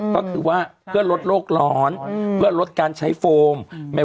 ก็คือว่าเพื่อลดโรคร้อนเพื่อลดการใช้โฟม